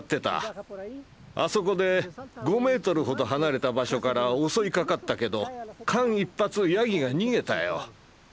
あそこで５メートルほど離れた場所から襲いかかったけど間一髪ヤギが逃げたよ。